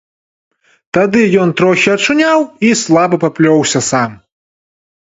Тады ён трохі ачуняў і слаба паплёўся сам.